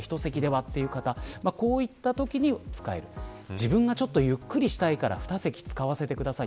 自分がゆっくりしたいから２席使わせてください